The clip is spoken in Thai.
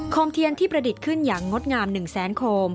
มเทียนที่ประดิษฐ์ขึ้นอย่างงดงาม๑แสนโคม